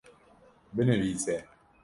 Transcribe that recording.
binivîse